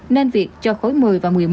nên việc cho khối một mươi và một mươi một